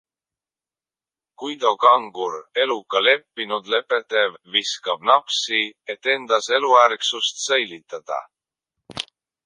Guido Kangur, eluga leppinud Lebedev, viskab napsi, et endas eluärksust säilitada.